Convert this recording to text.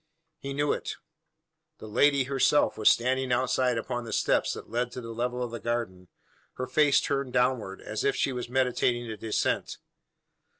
He knew it. The lady herself was standing outside upon the steps that led to the level of the garden, her face turned downward, as if she was meditating a descent.